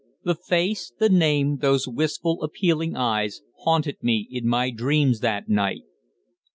The face, the name, those wistful, appealing eyes haunted me in my dreams that night.